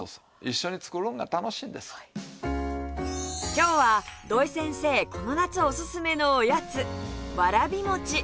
今日は土井先生この夏おすすめのおやつわらび餅